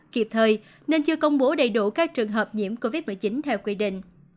kịp thời nên chưa công bố đầy đủ các trường hợp nhiễm covid một mươi chín theo quy định